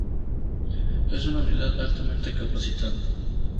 Es una unidad altamente capacitada.